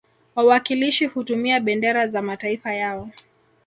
Wawakilishi hutumia bendera za mataifa yao